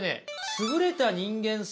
優れた人間性。